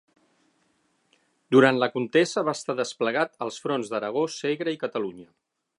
Durant la contesa va estar desplegat als fronts d'Aragó, Segre i Catalunya.